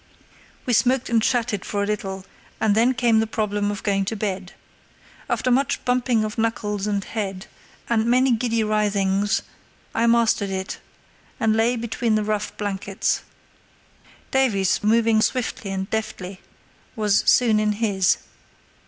We smoked and chatted for a little, and then came the problem of going to bed. After much bumping of knuckles and head, and many giddy writhings, I mastered it, and lay between the rough blankets. Davies, moving swiftly and deftly, was soon in his.